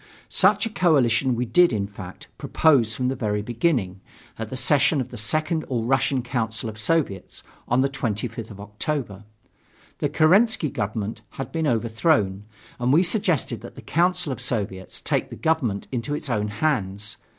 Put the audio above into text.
Such a coalition we did, in fact, propose from the very beginning at the session of the Second All Russian Council of Soviets, on the 25th of October. The Kerensky Government had been overthrown, and we suggested that the Council of Soviets take the government into its own hands.